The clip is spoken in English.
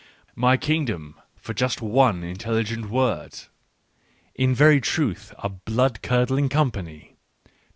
My kingdom for just one intelligent word 1 — In very truth, a blood curdling company